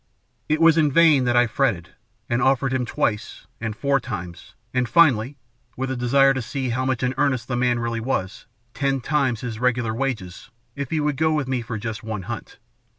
It was in vain that I fretted, and offered him twice, and four times, and, finally with a desire to see how much in earnest the man really was ten times his regular wages if he would go with me for just one hunt.